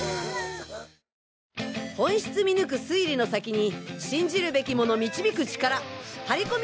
本質見抜く推理の先に信じるべきもの導く力張り込み